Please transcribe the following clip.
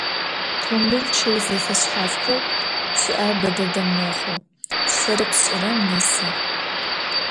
Khumbıl ççıg zefeşshafxeu şı'er be dede mexhu, şsere pş'ırem nesı.